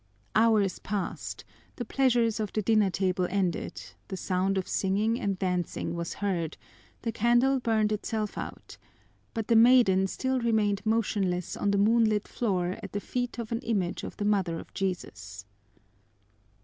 Hours passed the pleasures of the dinner table ended, the sound of singing and dancing was heard, the candle burned itself out, but the maiden still remained motionless on the moonlit floor at the feet of an image of the Mother of Jesus.